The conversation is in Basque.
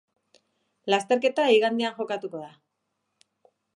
Lasterketa igandean jokatuko da.